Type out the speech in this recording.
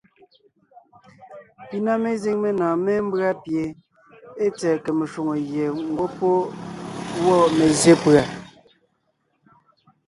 Pi na mezíŋ menɔ̀ɔn mémbʉ́a pie ée tsɛ̀ɛ kème shwòŋo gie ńgwɔ́ pɔ́ wɔ́ mezsyé pùa.